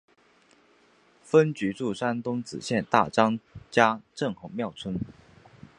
分局驻山东莘县大张家镇红庙村。